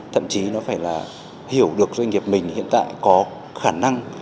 thậm chí nó phải là hiểu được doanh nghiệp mình hiện tại có khả năng